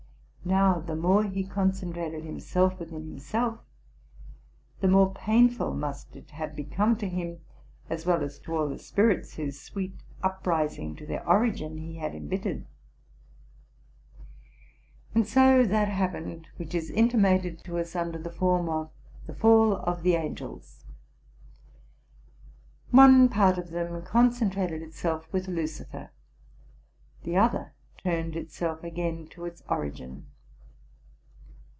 Now, the more he concentrated himself within himself, the more painful must it have become to him, as well as to all the spirits whose sweet uprising to their origin he had embittered. And so that happened which is intim: ited to us under the form of the Fall of the Angels. One part of them concentrated itself with Lucifer, the other turned itself again to its origin.